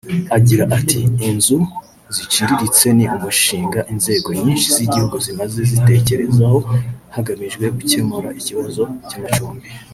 Agira ati “Inzu ziciriritse ni umushinga inzego nyinshi z’igihugu zimaze zitekerezaho hagamijwe gukemura ikibazo cy’amacumbi